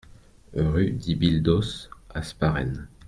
Rue Dibildos, Hasparren